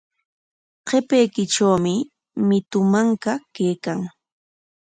Qapaykitrawmi mitu manka kaykan.